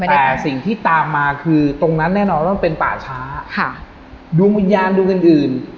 แต่สิ่งที่ตามมาคือตรงนั้นแน่นอนว่ามันเป็นป่าช้าค่ะดวงวิญญาณดวงอื่นอื่น